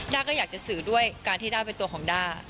้าก็อยากจะสื่อด้วยการที่ด้าเป็นตัวของด้า